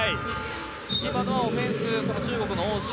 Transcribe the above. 今のはオフェンス、中国の王思